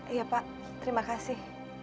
iya pak terima kasih